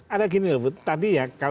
ada gini loh bu tadi ya